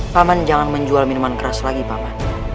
paman jangan menjual minuman keras lagi paman